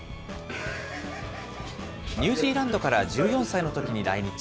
ニュージーランドから１４歳のときに来日。